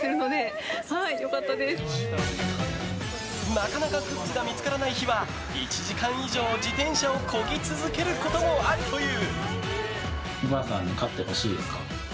なかなかグッズが見つからない日は１時間以上、自転車をこぎ続けることもあるという。